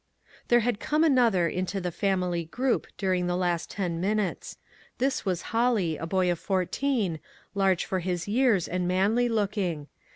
There had come another into the family group during the last ten minutes. This was Holly, a boy of fourteen, large for his years, and manly looking.